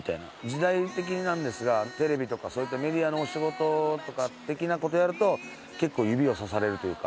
時代的にですがテレビとかメディアの仕事的なことやると結構指をさされるというか。